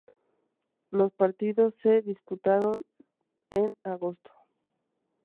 Los partidos se disputaron en agosto.